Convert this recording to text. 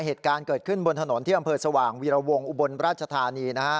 เหตุการณ์เกิดขึ้นบนถนนที่อำเภอสว่างวีรวงอุบลราชธานีนะฮะ